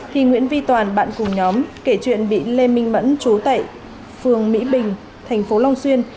thì nguyễn vi toàn bạn cùng nhóm kể chuyện bị lê minh mẫn chú tại phường mỹ bình thành phố long xuyên